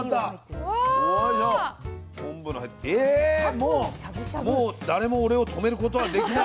もう誰も俺をとめることはできない。